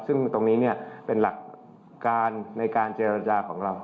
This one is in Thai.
ซึ่งตรงนี้เป็นหลักการในการเจรจาของเรา